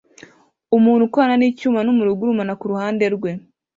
Umuntu ukorana nicyuma numuriro ugurumana kuruhande rwe